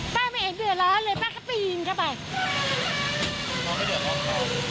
ป้าไม่เห็นเดือดร้อนเลยป้าก็ปีนเข้าไปป้าไม่เห็นเดือดร้อน